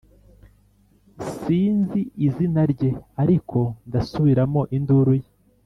sinzi izina rye, ariko ndasubiramo induru ye,